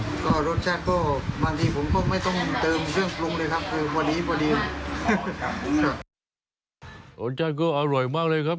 รสชาติก็บางทีผมก็ไม่ต้องเติมเครื่องปรุงเลยครับ